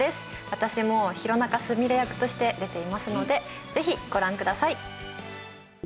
私も弘中スミレ役として出ていますのでぜひご覧ください。